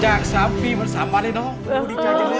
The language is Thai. จากสามปีมันสามมาเลยเนอะ